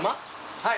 はい。